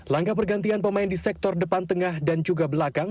langkah pergantian pemain di sektor depan tengah dan juga belakang